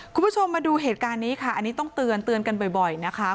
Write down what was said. คุณผู้ชมมาดูเหตุการณ์นี้ค่ะอันนี้ต้องเตือนกันบ่อยนะคะ